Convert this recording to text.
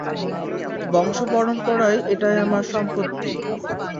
বংশ পরম্পরায় এটাই আমার সম্পত্তি।